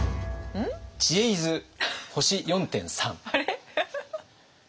「知恵泉星４．３」。